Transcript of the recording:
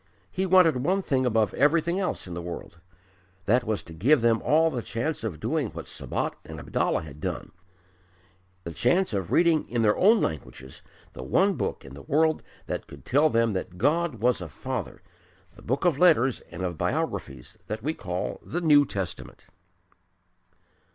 He wanted one thing above everything else in the world: that was to give them all the chance of doing what Sabat and Abdallah had done the chance of reading in their own languages the one book in the world that could tell them that God was a Father the book of letters and of biographies that we call the New Testament.